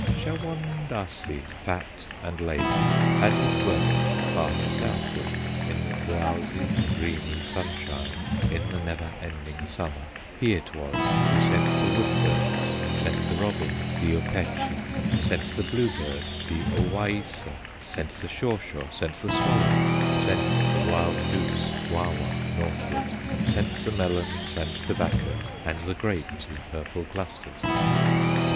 Shawondasee, fat and lazy, Had his dwelling far to southward, In the drowsy, dreamy sunshine, In the never ending Summer. He it was who sent the wood birds, Sent the robin, the Opechee, Sent the bluebird, the Owaissa, Sent the Shawshaw, sent the swallow, Sent the wild goose, Wawa, northward, Sent the melons and tobacco, And the grapes in purple clusters.